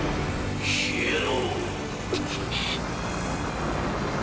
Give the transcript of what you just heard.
消えろ！